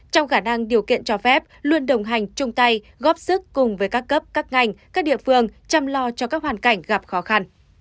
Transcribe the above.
trong khả năng điều kiện cho phép luôn đồng hành chung tay góp sức cùng với các cấp các ngành các địa phương chăm lo cho các hoàn cảnh gặp khó khăn